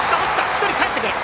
１人かえってくる！